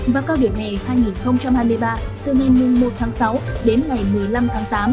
và cao điểm hè hai nghìn hai mươi ba từ ngày một tháng sáu đến ngày một mươi năm tháng tám